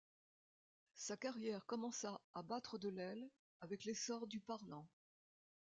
Sa carrière commença à battre de l'aile avec l'essor du parlant.